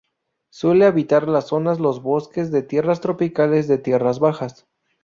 Suele habitar las zonas los bosques de tierras tropicales de tierras bajas.